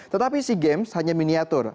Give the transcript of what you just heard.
tetapi sea games hanya miniatur